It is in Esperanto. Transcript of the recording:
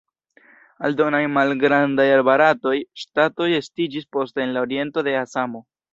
Aldonaj malgrandaj barataj ŝtatoj estiĝis poste en la oriento de Asamo.